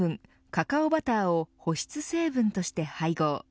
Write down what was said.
カカオバターを保湿成分として配合。